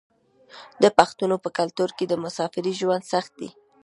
د پښتنو په کلتور کې د مسافرۍ ژوند سخت دی.